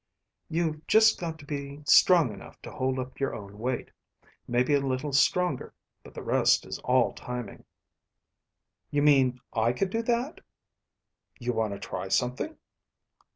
"You've just got to be strong enough to hold up your own weight. Maybe a little stronger. But the rest is all timing." "You mean I could do that?" "You want to try something?"